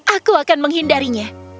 aku akan menghindarinya